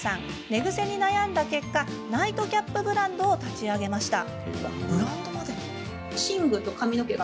寝ぐせに悩んだ結果ナイトキャップブランドを立ち上げました。